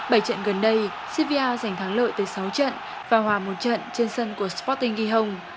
bảy trận gần đây sevilla giành thắng lợi tới sáu trận và hòa một trận trên sân của sporting gijon